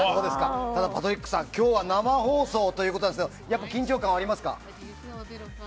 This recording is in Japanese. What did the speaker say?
ただ、パトリックさん今日は生放送ということですが緊張感はありますか。